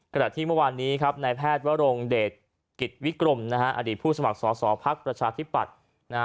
ขณะที่เมื่อวานนี้ครับนายแพทย์วรงเดชกิจวิกรมอดีตผู้สมัครสอสอภักดิ์ประชาธิปัตย์